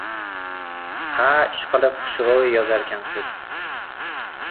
— Ha-a, ishqilib, xushro‘y yozar ekansiz.